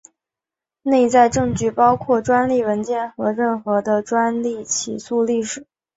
内在证据包括专利文件和任何的专利起诉历史。